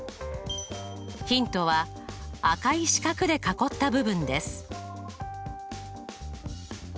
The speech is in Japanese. ヒントは赤い四角で囲った部分です。